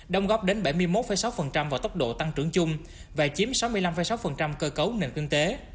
đồng góp đến bảy mươi một sáu vào tốc độ tăng trưởng chung và chiếm sáu mươi năm sáu cơ cấu nền kinh tế